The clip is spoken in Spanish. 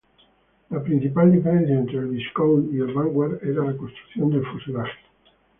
La principal diferencia entre el Viscount y el Vanguard era la construcción del fuselaje.